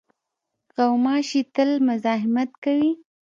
غوماشې تل مزاحمت کوي.